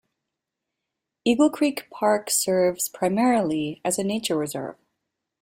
Eagle Creek Park serves primarily as a nature reserve.